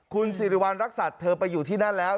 คุณสิริวัณรักษัตริย์เธอไปอยู่ที่นั่นแล้ว